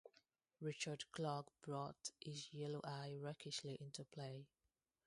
Richard Clark brought his yellow eye rakishly into play.